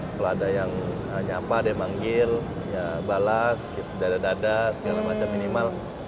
kalau ada yang nyapa ada yang manggil ya balas dada dada segala macam minimal